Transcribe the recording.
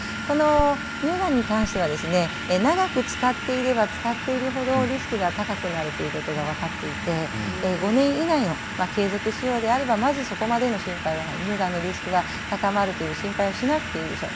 乳がんに関しては長く使っていればいるほどリスクが高くなるということが分かっていて５年以内の継続使用であればそこまでの心配はない、乳がんのリスクが高まるという心配はしなくてもいいでしょう。